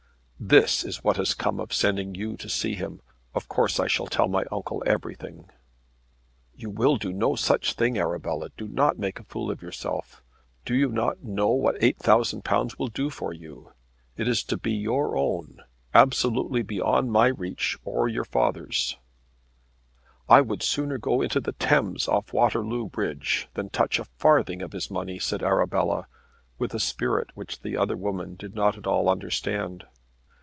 "This is what has come of sending you to see him! Of course I shall tell my uncle everything." "You will do no such thing. Arabella, do not make a fool of yourself. Do you know what £8,000 will do for you? It is to be your own, absolutely beyond my reach or your father's." "I would sooner go into the Thames off Waterloo Bridge than touch a farthing of his money," said Arabella with a spirit which the other woman did not at all understand.